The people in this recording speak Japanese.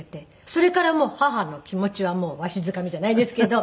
それからもう母の気持ちはわしづかみじゃないですけど。